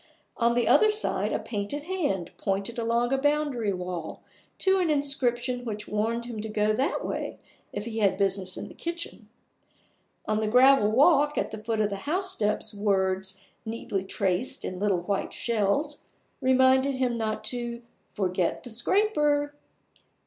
On the other side a painted hand pointed along a boundary wall to an inscription which warned him to go that way if he had business in the kitchen. On the gravel walk at the foot of the housesteps words, neatly traced in little white shells, reminded him not to "forget the scraper".